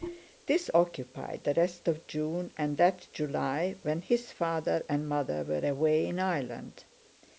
This occupied the rest of June and that July, when his father and mother were away in Ireland.